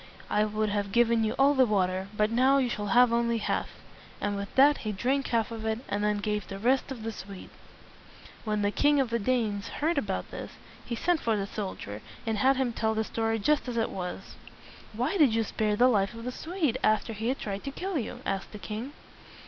I would have given you all the water, but now you shall have only half." And with that he drank the half of it, and then gave the rest to the Swede. When the King of the Danes heard about this, he sent for the soldier and had him tell the story just as it was. "Why did you spare the life of the Swede after he had tried to kill you?" asked the king.